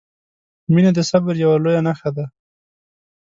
• مینه د صبر یوه لویه نښه ده.